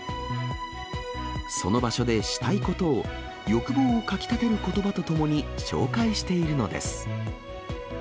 その場所でしたいことを、欲望をかきたてることばとともに紹介しているのです。